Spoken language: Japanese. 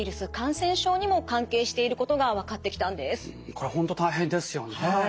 これ本当大変ですよね。